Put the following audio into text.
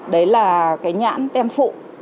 đấy là nhãn tem phụ